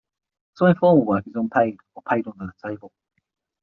Some informal work is unpaid, or paid under the table.